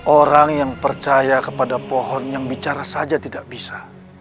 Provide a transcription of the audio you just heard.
orang yang percaya kepada pohon yang bicara saja tidak bisa